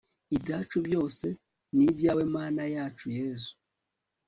ibyacu byose ni ibyawe mana yacu yezu